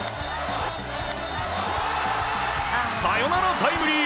サヨナラタイムリー。